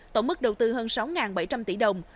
tổng mức đầu tư hơn sáu bảy trăm linh tỷ đồng